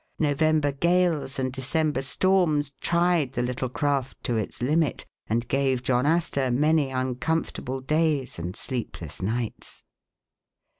November gales and De cember storms tried the little craft to its limit, and gave John Astor many uncomfortable days and sleep less nights.